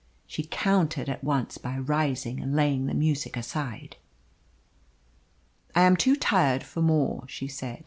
She countered at once by rising and laying the music aside. "I am too tired for more," she said.